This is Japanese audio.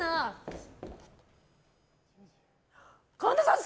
神田さん。